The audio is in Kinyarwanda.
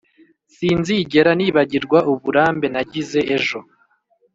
sinzigera nibagirwa uburambe nagize ejo.